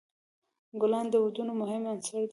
ګلان د ودونو مهم عنصر دی.